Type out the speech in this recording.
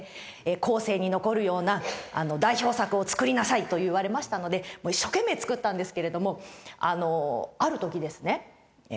「後世に残るような代表作を作りなさい」と言われましたので一生懸命作ったんですけれどもある時ですね